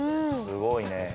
すごいね。